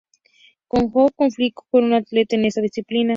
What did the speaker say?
Congo clasificó a un atleta en esta disciplina.